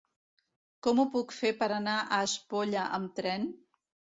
Com ho puc fer per anar a Espolla amb tren?